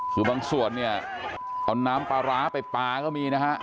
คือบางส่วนเนี่ยเอาน้ำปลาร้าไปปลาก็มีนะฮะ